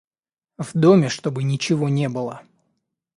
В доме чтобы ничего не было.